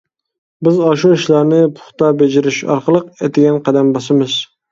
بىز ئاشۇ ئىشلارنى پۇختا بېجىرىش ئارقىلىق ئەتىگە قەدەم باسىمىز.